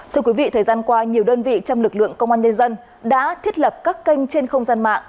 thưa quý vị thời gian qua nhiều đơn vị trong lực lượng công an nhân dân đã thiết lập các kênh trên không gian mạng